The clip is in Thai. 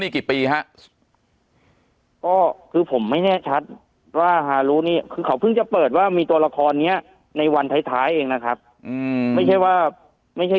ก็คือผมไม่แน่ชัดว่าหารูนี่เค้าเพิ่งจะเปิดว่ามีตัวละครเนี่ยในวันท้ายท้ายเองนะครับอืมไม่ใช่ว่าไม่ใช่